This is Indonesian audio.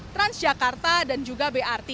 transjakarta dan juga brt